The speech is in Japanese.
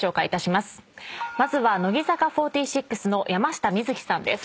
まずは「乃木坂４６」の山下美月さんです。